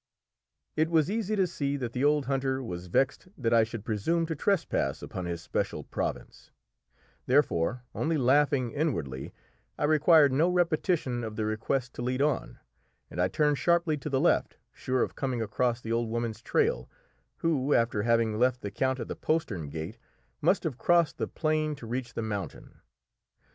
It was easy to see that the old hunter was vexed that I should presume to trespass upon his special province; therefore, only laughing inwardly, I required no repetition of the request to lead on, and I turned sharply to the left, sure of coming across the old woman's trail, who, after having left the count at the postern gate, must have crossed the plain to reach the mountain.